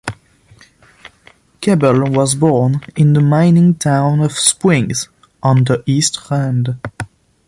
Kebble was born in the mining town of Springs, on the East Rand.